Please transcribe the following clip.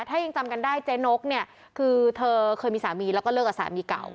ถ้ายังจำกันได้เจ๊นกเนี่ยคือเธอเคยมีสามีแล้วก็เลิกกับสามีเก่า